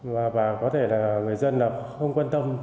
và có thể là người dân không quan tâm